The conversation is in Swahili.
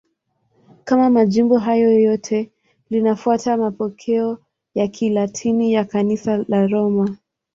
Kama majimbo hayo yote, linafuata mapokeo ya Kilatini ya Kanisa la Roma.